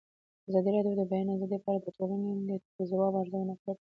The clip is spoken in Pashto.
ازادي راډیو د د بیان آزادي په اړه د ټولنې د ځواب ارزونه کړې.